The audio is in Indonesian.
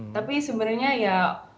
tapi sebenarnya banyak yang masih pakai